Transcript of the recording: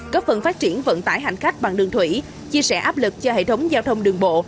cấp phần phát triển vận tải hành khách bằng đường thủy chia sẻ áp lực cho hệ thống giao thông đường bộ